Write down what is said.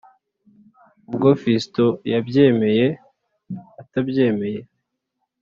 ubwo fiston yabyemeye atabyemeye